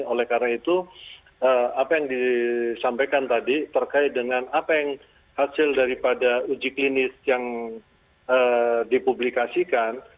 oleh karena itu apa yang disampaikan tadi terkait dengan apa yang hasil daripada uji klinis yang dipublikasikan